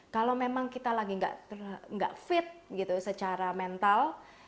kalau memang kita lagi nggak fit gitu secara mental